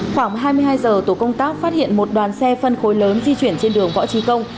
khoảng hai mươi hai giờ tổ công tác phát hiện một đoàn xe phân khối lớn di chuyển trên đường võ trí công